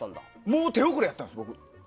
もう手遅れだったんです。